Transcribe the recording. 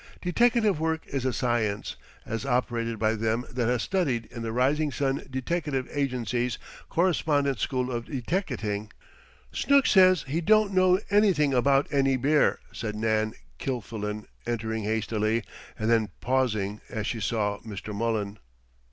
"Deteckative work is a science, as operated by them that has studied in the Rising Sun Deteckative Agency's Correspondence School of Deteckating " "Snooks says he don't know anything about any beer," said Nan Kilfillan, entering hastily, and then pausing, as she saw Mr. Mullen.